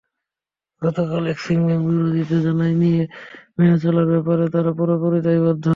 গতকাল Axis bank বিবৃতিতে জানায়, নিয়ম মেনে চলার ব্যাপারে তারা পুরোপুরি দায়বদ্ধ।